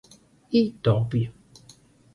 I topi